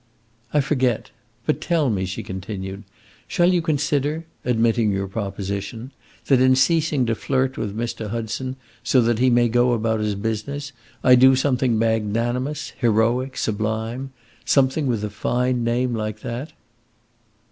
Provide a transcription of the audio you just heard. "I forget. But tell me," she continued, "shall you consider admitting your proposition that in ceasing to flirt with Mr. Hudson, so that he may go about his business, I do something magnanimous, heroic, sublime something with a fine name like that?"